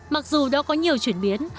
mặc dù đã có nhiều chuyển biến